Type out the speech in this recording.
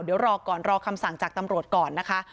เดี๋ยวรอก่อนรอคำสั่งจากตำรวจก่อนนะคะ